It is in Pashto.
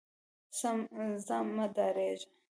ځه مه ډارېږه.